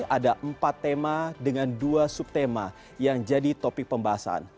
ada empat tema dengan dua subtema yang jadi topik pembahasan